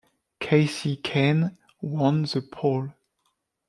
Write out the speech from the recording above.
Kasey Kahne won the pole.